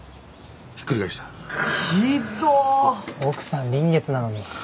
奥さん臨月なのに。